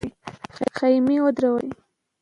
خېمې ودرول سوې.